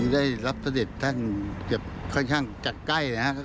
ได้รับเสด็จท่านเกือบค่อนข้างจะใกล้นะครับ